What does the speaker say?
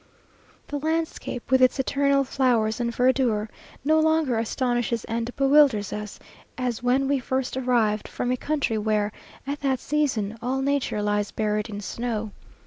The landscape, with its eternal flowers and verdure, no longer astonishes and bewilders us, as when we first arrived from a country where, at that season, all nature lies buried in snow.